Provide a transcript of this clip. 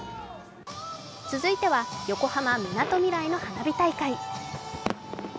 続いては横浜・みなとみらいの花火大会。